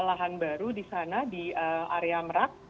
lahan baru di sana di area merak